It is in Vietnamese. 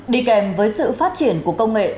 đi kèm với sự phát triển của công nghệ